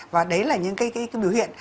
và đấy là những biểu hiện